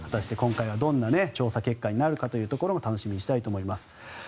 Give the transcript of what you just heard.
今回はどんな調査結果になるかというところ楽しみにしたいと思います。